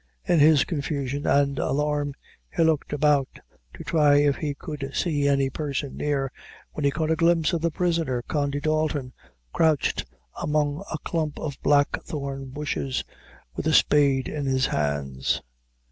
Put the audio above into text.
In his confusion and alarm he looked about to try if he could see any person near, when he caught a glimpse of the prisoner, Condy Dalton, crouched among a clump of black thorn bushes, with a spade in his hands.